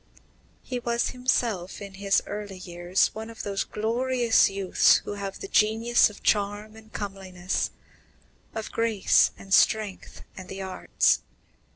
He was himself, in his early years, one of those glorious youths who have the genius of charm and comeliness, of grace and strength and the arts.